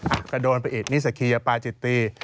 อะกระโดนไปอีกนี่สักทีจะป่าจิตตี